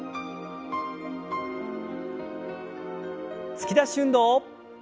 突き出し運動。